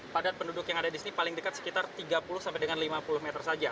padat penduduk yang ada di sini paling dekat sekitar tiga puluh sampai dengan lima puluh meter saja